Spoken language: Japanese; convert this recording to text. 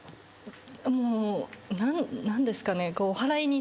もう何ですかね。